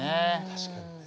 確かにね。